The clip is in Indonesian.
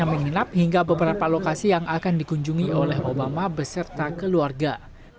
menginap hingga beberapa lokasi yang akan dikunjungi oleh obama beserta keluarga